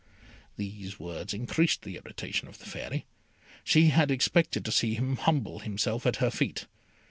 These words increased the irritation of the Fairy. She had expected to see him humble himself at her feet.